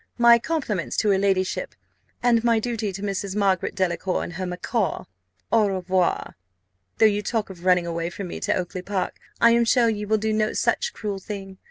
My compliments to her ladyship, and my duty to Mrs. Margaret Delacour, and her macaw. Au revoir! Though you talk of running away from me to Oakly park, I am sure you will do no such cruel thing.